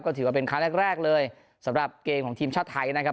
ถือว่าเป็นครั้งแรกแรกเลยสำหรับเกมของทีมชาติไทยนะครับ